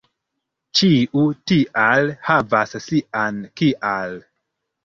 Ĉiu "tial" havas sian "kial."